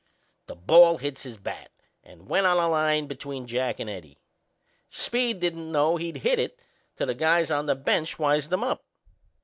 The ball hit his bat and went on a line between Jack and Eddie. Speed didn't know he'd hit it till the guys on the bench wised him up.